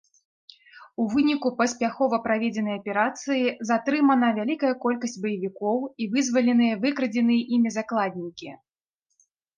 У выніку паспяхова праведзенай аперацыі затрымана вялікая колькасць баевікоў і вызваленыя выкрадзеныя імі закладнікі.